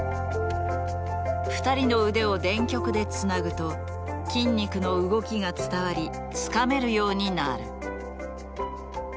２人の腕を電極でつなぐと筋肉の動きが伝わりつかめるようになる。